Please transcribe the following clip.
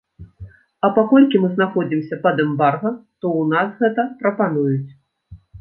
А паколькі мы знаходзімся пад эмбарга, то у нас гэта прапануюць.